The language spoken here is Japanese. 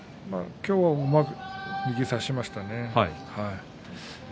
今日は、うまく右を差しましたね。